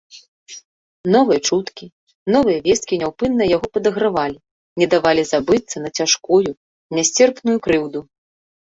Новыя чуткі, новыя весткі няўпынна яго падагравалі, не давалі забыцца на цяжкую, нясцерпную крыўду.